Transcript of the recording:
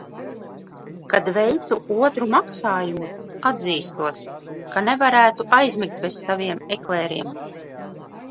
Kad veicu otru maksājumu, atzīstos, ka nevarētu aizmigt bez saviem eklēriem.